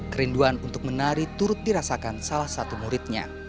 kerinduan untuk menari turut dirasakan salah satu muridnya